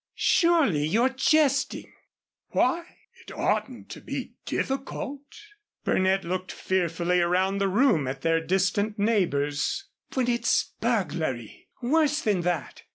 "Surely you're jesting." "Why? It oughtn't to be difficult." Burnett looked fearfully around the room at their distant neighbors. "But it's burglary. Worse than that.